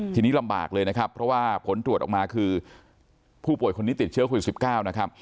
ทีนี้ลำบากเลยนะครับเพราะว่าผลตรวจออกมาคือผู้ป่วยคนนี้ติดเชื้อโควิด๑๙นะครับ